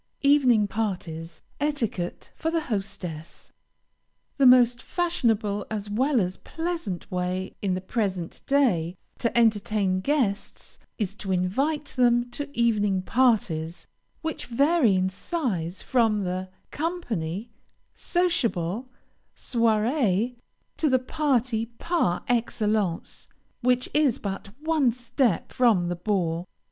EVENING PARTIES. ETIQUETTE FOR THE HOSTESS. The most fashionable as well as pleasant way in the present day, to entertain guests, is to invite them to evening parties, which vary in size from the "company," "sociable," "soirée," to the party, par excellence, which is but one step from the ball.